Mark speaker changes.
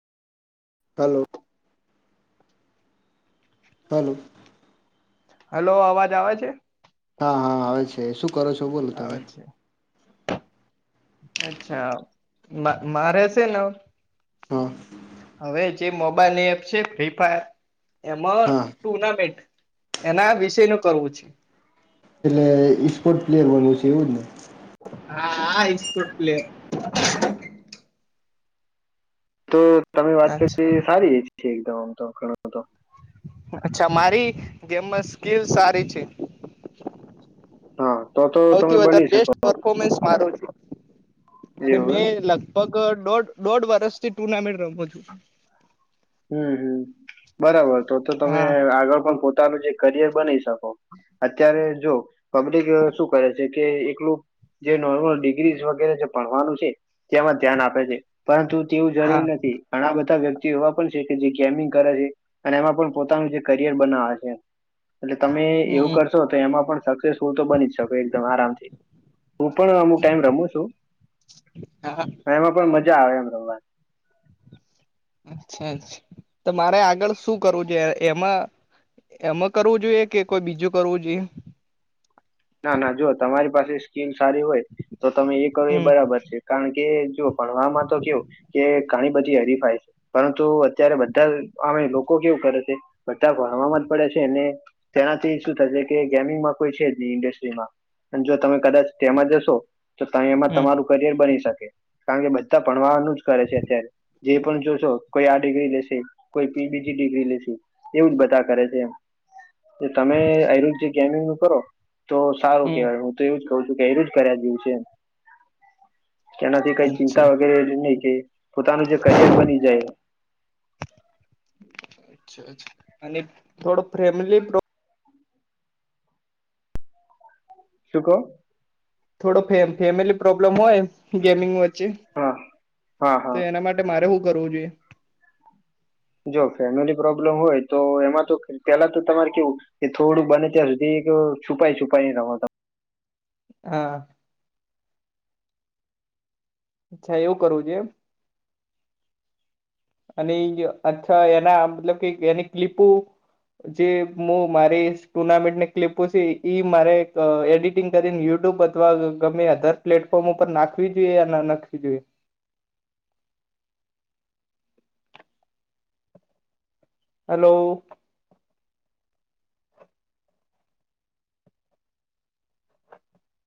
Speaker 1: હાલો hello
Speaker 2: hello અવાજ આવે છે.
Speaker 1: હા હા આવે છે શું કરો છો? બોલો તમે.
Speaker 2: આવે છે. અચ્છા મારે મારે છે ને
Speaker 1: હા
Speaker 2: હવે જ જે મોબાઈલની એપ છે ફ્રી ફાયર એમાં
Speaker 1: હા
Speaker 2: ટુર્નામેન્ટ એના વિષય નું કરવું છે.
Speaker 1: એટલે ઇ સ્પોર્ટ પ્લેયર બનવું છે એવું જ ને!
Speaker 2: હા હા ઈસ્પોર્ટ પ્લેયર.
Speaker 1: તો તમે વાત
Speaker 2: અચ્છા
Speaker 1: કરી સારી એ છે એકદમ આમ તો કરો તો
Speaker 2: અચ્છા મારી ગેમમાં સ્કીલ સારી છે.
Speaker 1: હા તો તો તમે
Speaker 2: સૌથી
Speaker 1: બની
Speaker 2: વધારે
Speaker 1: શકો
Speaker 2: બેસ્ટ પરફોમસ મારું જ છે. અને
Speaker 1: એવું
Speaker 2: મેં
Speaker 1: એમ
Speaker 2: લગભગ લગભગ દોઢ દોઢ વર્ષ થી ટુર્નામેન્ટ રમું છું.
Speaker 1: હમ હમ બરાબર તો તો તમે
Speaker 2: હા
Speaker 1: આગળ પણ પોતાનું જે કરિયર બનાવી શકો. અત્યારે જો પબ્લિક શું કરે છે કે એકલું જે નોર્મલ ડિગ્રીઝ વગેરે જે ભણવાનું છે તેમાં ધ્યાન આપે છે. પરંતુ તેવું
Speaker 2: હા
Speaker 1: જરૂરી નથી. ઘણા બધા વ્યક્તિઓ એવા પણ જે ગેમિંગ કરે છે, અને એમાં પણ પોતાનું જે કરિયર બનાવે છે. એટલે તમે એવું
Speaker 2: હમ
Speaker 1: કરશો તો એમાં પણ સક્સેસફુલ તો બની જ શકો એકદમ આરામથી. હું પણ અમુક ટાઈમ રમું છું
Speaker 2: હા
Speaker 1: એમાં પણ મજા આવે એમ રમવાની
Speaker 2: અચ્છા અચ્છા તો મારે આગળ શું કરવું છે એમ. એ એમ. એ કરવું જોઈએ કે કોઈ બીજું કરવું જોઈએ
Speaker 1: ના ના જો તમારી પાસે સ્કીલ સારી હોય તો તમે એ કરો એ
Speaker 2: હમ
Speaker 1: બરાબર છે કારણ કે જો ભણવા માં તો કેવું કે ઘણી બધી હરીફાય છે પરંતુ અત્યારે બધા જ આવે લોકો કેવું કરે છે બધા ભણવામાં જ પડે છે અને તેનાથી શું થશે કે ગેમિંગમાં કોઈ છે ઇન્ડસ્ટ્રીમાં અને જો તમે કદાચ તેમાં જશો તો તમે એમાં
Speaker 2: હમ
Speaker 1: તમારું કરિયર બની શકે કારણ કે બધા ભણવાનું જ કરે છે અત્યારે જે પણ જોશો કોઈ આ ડિગ્રી લેશે કોઈ પી. જી ની ડિગ્રી લેશે એવું જ બધા કરે છે તમે આજ જે ગેમિંગ નું કરો તો સારું
Speaker 2: હમ
Speaker 1: કહેવાય હું તો એવું જ કહું છું કે એ જ કર્યા જેવું છે કે એનાથી કઈ
Speaker 2: અચ્છા
Speaker 1: ચિંતા વગેરે નહી કે પોતાનું જે કરિયર બની જાય
Speaker 2: અચ્છા અચ્છા અને થોડુંક ફેમિલી ગૃ
Speaker 1: શું કહો
Speaker 2: થોડો ફેમિલી ફેમિલી પ્રોબ્લેમ હોય ગેમિંગ વચ્ચે
Speaker 1: હા હા
Speaker 2: તો
Speaker 1: હા
Speaker 2: એના માટે મારે શું કરવું જોઈએ
Speaker 1: જો ફેમિલી પ્રોબ્લેમ હોય તો એમાં તો પેલા તો તમારે કેવું કે થોડું બને ત્યાં સુધી એક છુપાઈ છુપાઈ રમતો
Speaker 2: હા અચ્છા એવું કરવું જોઈએ એમ અને ઇ જ અચ્છા એના મતલબ કે એની ક્લિપુ જે હું મારી ટુર્નામેન્ટને ક્લિપો છે ઈ મારે એડિટિંગ કરીને યુટ્યુબ અથવા ગમે અધર પ્લેટફોર્મ ઉપર નાખવી જોઈએ કે ના નાખવી જોઈએ હલો